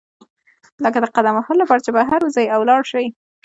لکه د قدم وهلو لپاره چې بهر وزئ او لاړ شئ.